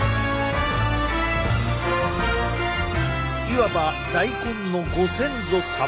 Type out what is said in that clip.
いわば大根のご先祖様！